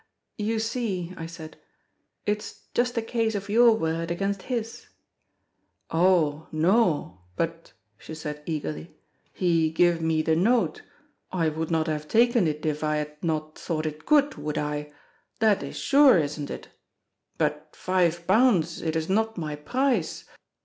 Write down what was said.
"You see," I said, "it's just a case of your word against his." "Oh! no; but," she said eagerly, "he give me the note—I would not have taken it if I 'ad not thought it good, would I? That is sure, isn't it? But five pounds it is not my price.